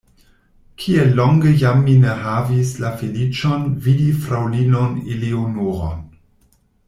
Kiel longe jam mi ne havis la feliĉon vidi fraŭlinon Eleonoron!